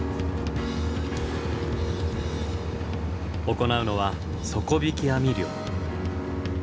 行うのは底引き網漁。